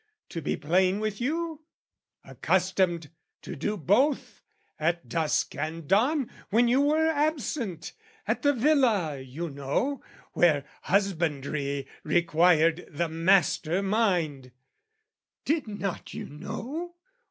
to be plain with you ? "Accustomed to do both, at dusk and dawn "When you were absent, at the villa, you know, "Where husbandry required the master mind. "Did not you know?